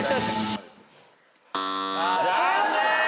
残念！